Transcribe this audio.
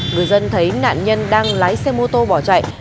người dân thấy nạn nhân đang lái xe mô tô bỏ chạy